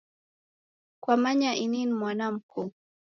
Kwamanya ini ni mwana mkoo